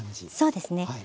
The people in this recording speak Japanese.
そうですね。